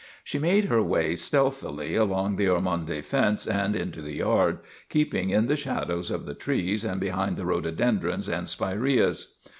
She made her way stealthily along the Ormonde fence and into the yard, keeping in the shadows of the trees and behind the rhododendrons and spireas.